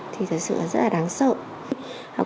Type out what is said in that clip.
thì thật sự là rất là đáng sợ